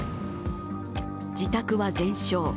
自宅は全焼。